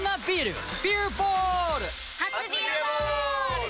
初「ビアボール」！